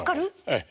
ええ。